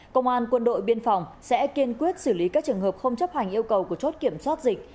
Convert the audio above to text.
công an quân đội biên phòng sẽ kiên quyết xử lý các trường hợp không chấp hành yêu cầu của chốt kiểm soát dịch